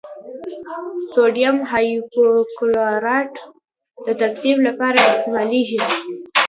سوډیم هایپوکلورایټ د تعقیم لپاره استعمالیږي.